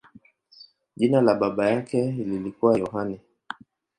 Jina la baba yake lilikuwa Yohane.